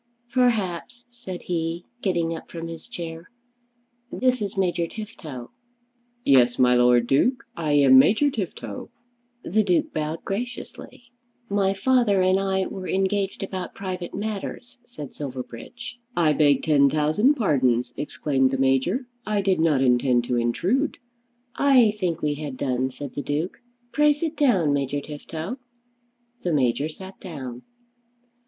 "Perhaps," said he, getting up from his chair, "this is Major Tifto." "Yes; my Lord Duke. I am Major Tifto." The Duke bowed graciously. "My father and I were engaged about private matters," said Silverbridge. "I beg ten thousand pardons," exclaimed the Major. "I did not intend to intrude." "I think we had done," said the Duke. "Pray sit down, Major Tifto." The Major sat down.